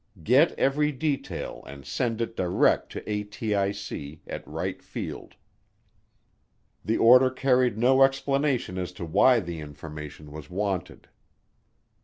Get every detail and send it direct to ATIC at Wright Field. The order carried no explanation as to why the information was wanted.